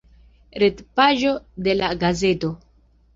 Retpaĝo de la gazeto.